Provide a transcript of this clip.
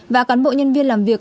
và cán bộ nhân viên làm việc